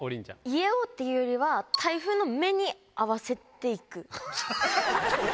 家をっていうよりは台風の目に合わせて行く。